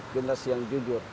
generasi yang jujur